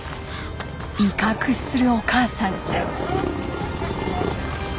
威嚇するお母さん。